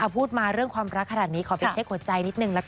พูดมาเรื่องความรักขนาดนี้ขอไปเช็คหัวใจนิดนึงละกัน